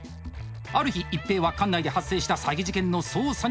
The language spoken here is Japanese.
ある日一平は管内で発生した詐欺事件の捜査に向かいます。